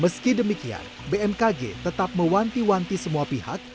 meski demikian bmkg tetap mewanti wanti semua pihak